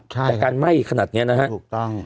แต่การไหม้ขนาดนี้นะฮะถูกต้อง